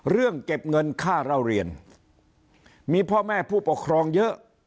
เรื่องเก็บเงินค่าเล่าเรียนมีพ่อแม่ผู้ปกครองเยอะ